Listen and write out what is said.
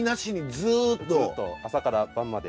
ずっと朝から晩まで。